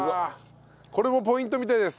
これもポイントみたいです。